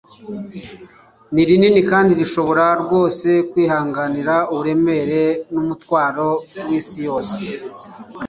Ni rinini kandi rishobora rwose kwihanganira uburemere n’umutwaro w'isi yose.